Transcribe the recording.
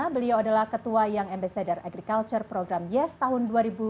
beliau adalah ketua yang ambassador agriculture program yes tahun dua ribu dua puluh tiga